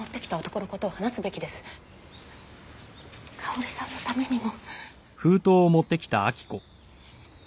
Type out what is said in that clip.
香織さんのためにも。